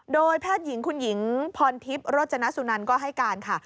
โดยแพทย์หญิงคุณหญิงพรทิพย์โรจนสุนันก็ให้การค่ะ